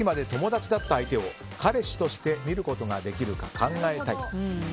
さっきまで友達だった相手を彼氏として見ることができるか考えたい。